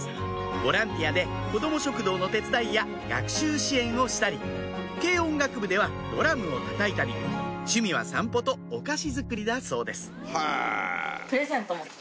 ボランティアでこども食堂の手伝いや学習支援をしたり軽音楽部ではドラムをたたいたり趣味は散歩とお菓子作りだそうですへぇ。